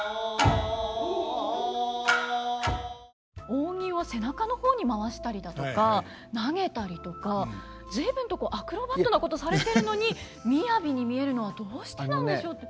扇を背中の方に回したりだとか投げたりとか随分とアクロバットなことされてるのに雅に見えるのはどうしてなんでしょうって。